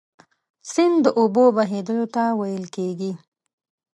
سیند د اوبو بهیدلو ته ویل کیږي.